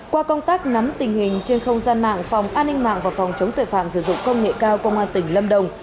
qua công tác nắm tình hình trên không gian mạng phòng an ninh mạng và phòng chống tuệ phạm sử dụng công nghệ cao công an tỉnh lâm đồng